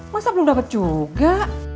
masa belum dapet juga